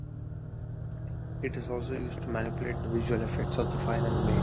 It is also used to manipulate the visual effects of the final image.